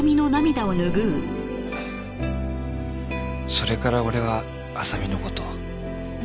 それから俺は麻未の事を。